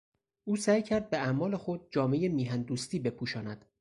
او سعی کرد به اعمال خود جامهی میهن دوستی بپوشاند.